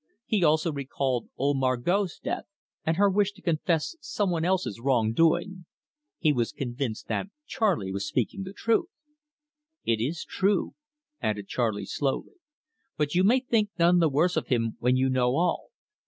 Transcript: He also recalled old Margot's death, and her wish to confess some one else's wrong doing. He was convinced that Charley was speaking the truth. "It is true," added Charley slowly; "but you may think none the worse of him when you know all.